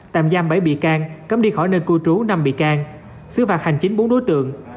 tạm giam bảy bị can cấm đi khỏi nơi cư trú năm bị can xứ phạt hành chính bốn đối tượng